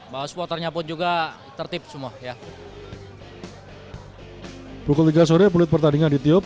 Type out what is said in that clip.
bahwa supporternya pun juga tertip semua ya